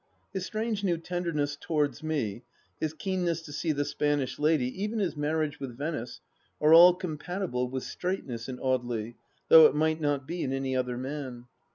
His strange new tenderness towards me, his keenness to see the Spanish lady, even his marriage with Venice, are all compatible with straightness, in Audely, though it would not be in any other man.